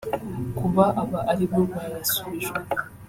Kuba aba aribo bayasubijwe